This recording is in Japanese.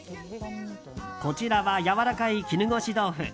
こちらはやわらかい絹ごし豆腐。